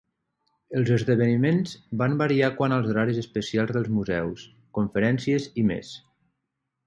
Els esdeveniments van variar quant als horaris especials dels museus, conferències i més.